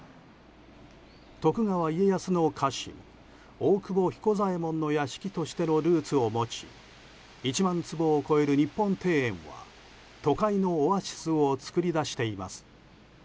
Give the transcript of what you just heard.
徳川家康の家臣大久保彦左衛門の屋敷としてのルーツを持ち１万坪を超える日本庭園は都会のオアシスを作り出しています。